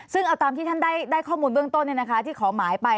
ซึ่งเอาตามที่ท่านได้ข้อมูลเบื้องต้นที่ขอหมายไป